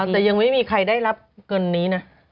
แต่ยังไม่มีใครได้รับเงินนี้นะ